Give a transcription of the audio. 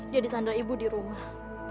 jadi sandara ibu di rumah